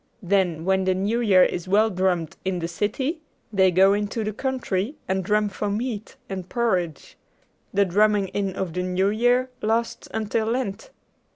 Then when the New Year is well drummed in the city, they go into the country and drum for meat and porridge. The drumming in of the New Year lasts until Lent."